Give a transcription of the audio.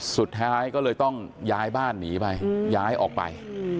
สุดท้ายก็เลยต้องย้ายบ้านหนีไปย้ายออกไป